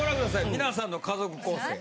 皆さんの家族構成。